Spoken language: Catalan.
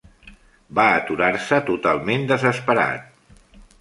Va aturar-se totalment desesperat.